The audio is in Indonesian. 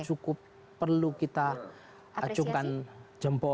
cukup perlu kita acungkan jempol